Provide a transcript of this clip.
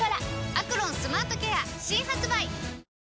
「アクロンスマートケア」新発売！